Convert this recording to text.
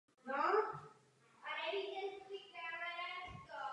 Náboženským vyznáním je evangelický křesťan.